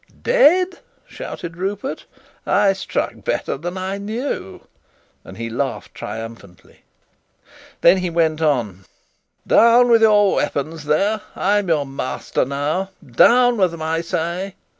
"Dead!" shouted Rupert. "I struck better than I knew!" and he laughed triumphantly. Then he went on: "Down with your weapons there! I'm your master now! Down with them, I say!"